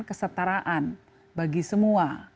kesetaraan bagi semua